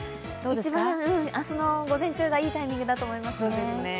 一番、明日の午前中がいいタイミングだと思います。